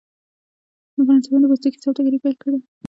فرانسویانو د پوستکي سوداګري پیل کړه.